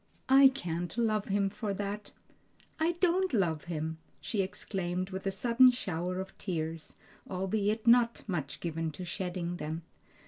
I can't love Him for that! I don't love Him!" she exclaimed with a sudden shower of tears, albeit not much given to shedding them.